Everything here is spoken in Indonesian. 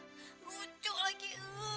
hebat lucu lagi